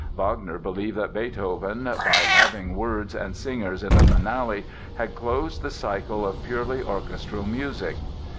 Wagner believed that Beethoven by having words and singers in the Finale had closed the cycle of purely orchestral music.